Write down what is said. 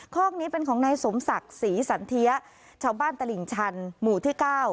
คอกนี้เป็นของนายสมศักดิ์ศรีสันเทียชาวบ้านตลิ่งชันหมู่ที่เก้า